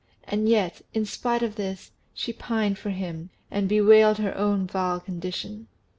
And yet, in spite of this, she pined for him, and bewailed her own vile condition.